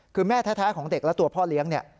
คือแม่แท้ของเด็กและตัวพ่อเลี้ยงเนี่ย